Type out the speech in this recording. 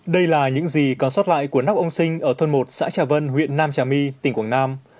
đây là những gì còn sót lại của nóc ông sinh ở thôn một xã trà vân huyện nam trà my tỉnh quảng nam